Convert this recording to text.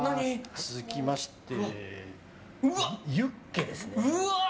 続きましてユッケですね。